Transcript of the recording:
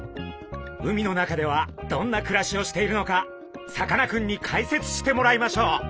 海の中ではどんな暮らしをしているのかさかなクンに解説してもらいましょう。